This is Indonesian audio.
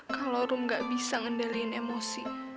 kalau rom gak bisa ngendaliin emosi